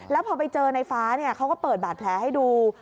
แล้วพอไปเจอในฟ้าเขาก็เปิดบาดแผลให้ดู